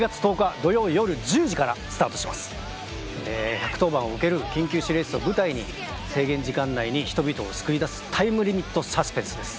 １１０番を受ける緊急指令室を舞台に制限時間内に人々を救い出すタイムリミットサスペンスです。